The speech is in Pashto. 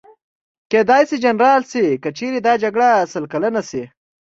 کېدای شي جنرال شي، که چېرې دا جګړه سل کلنه شي.